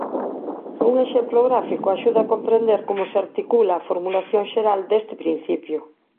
Un exemplo gráfico axuda a comprender como se articula a formulación xeral deste principio.